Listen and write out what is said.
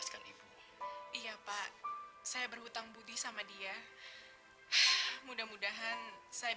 sampai jumpa di video selanjutnya